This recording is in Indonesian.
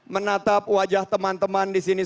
menatap wajah teman teman disini